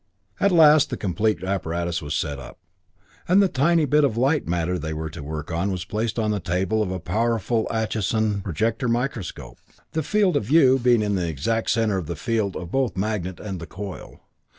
At last the complete apparatus was set up, and the tiny bit of light matter they were to work on was placed on the table of a powerful Atchinson projector microscope, the field of view being in the exact center of the field of both the magnet and the coil.